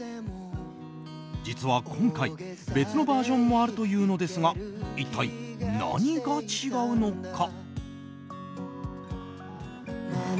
実は今回、別のバージョンもあるというのですが一体何が違うのか？